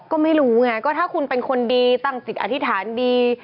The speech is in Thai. ก็ไม่รู้ไงก็ถ้าคุณเป็นคนดีตั้งจิตอธิษฐานดี